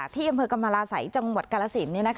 ที่อำเภอกรรมราศัยจังหวัดกาลสิน